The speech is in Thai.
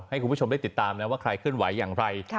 ให้คุณผู้ชมได้ติดตามนะว่าใครเคลื่อนไหวอย่างไร